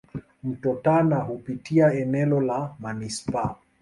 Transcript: Mto Tana hupitia eneo la manispaa.